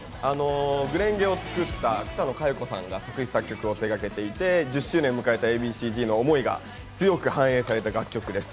『紅蓮華』を作った草野華余子さんが作詞・作曲を手がけていて、１０周年を迎えたＡ．Ｂ．Ｃ−Ｚの思いが強く反映された楽曲です。